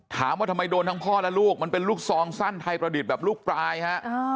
ถามว่าทำไมโดนทั้งพ่อและลูกมันเป็นลูกซองสั้นไทยประดิษฐ์แบบลูกปลายฮะ